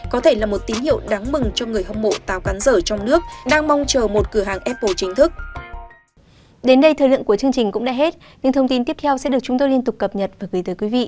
có thể là một tín hiệu đáng mừng cho người hâm mộ tàu cá rởi trong nước đang mong chờ một cửa hàng apple chính thức